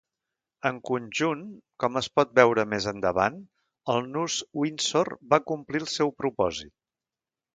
En conjunt, com es pot veure més endavant, el nus Windsor va complir el seu propòsit.